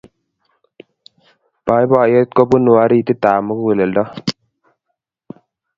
poipoiyet kopunu aritit ap mukuleldo